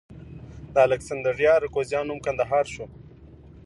د الکسندریه اراکوزیا نوم کندهار شو